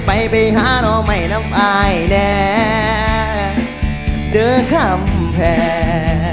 ไปไปหาหนอไม่น้ำอายแน่เดือนคำแพง